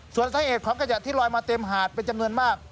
ส่วนสาเหตุของขยะที่ลอยมาเต็มหาดเป็นจำนวนมาก